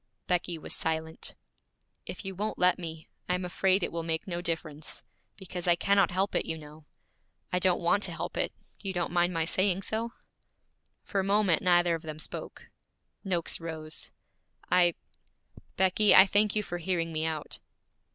Becky was silent. 'If you won't let me, I am afraid it will make no difference, because I cannot help it, you know. I don't want to help it; you don't mind my saying so?' For a moment neither of them spoke. Noakes rose. 'I Becky, I thank you for hearing me out.'